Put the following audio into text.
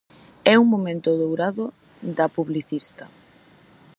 É un momento dourado da publicística.